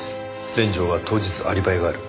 連城は当日アリバイがある。